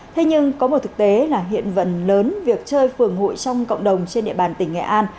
thế nhưng có một thực tế là hiện phần lớn việc chơi phường hội trong cộng đồng trên địa bàn tỉnh nghệ an